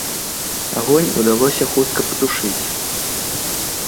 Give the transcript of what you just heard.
Агонь удалося хутка патушыць.